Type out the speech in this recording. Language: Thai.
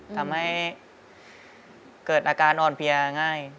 ทำให้เกิดอาการอ่อนเพลียง่าย